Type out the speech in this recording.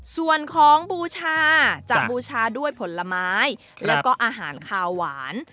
ส่วนของบูชาจะบูชาด้วยผลไม้แล้วก็อาหารคาวหวาน